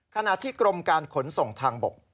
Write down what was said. ขณะที่กรมการขนส่งทางบก